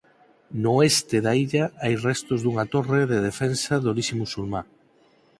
No oeste da illa hai restos dunha torre de defensa de orixe musulmá.